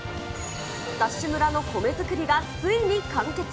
ＤＡＳＨ村の米作りがついに完結。